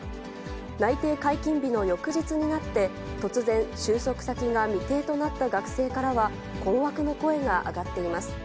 内定解禁日の翌日になって、突然、就職先が未定となった学生からは、困惑の声が上がっています。